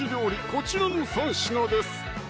こちらの３品です